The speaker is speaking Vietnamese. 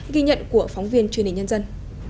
ghi nhận của phóng viên truyền hình nhân dân